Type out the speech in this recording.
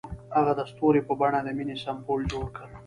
هغه د ستوري په بڼه د مینې سمبول جوړ کړ.